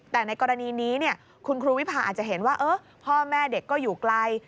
แต่ในกรณีนี้คุณครูวิพาอาจจะเห็นว่าพ่อแม่เด็กก็อยู่ไกล